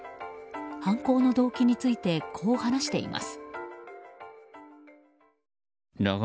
犯行の動機についてこう話しています。